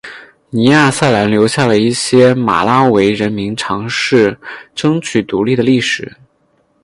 尼亚萨兰留下了一些马拉维人民尝试争取独立的历史。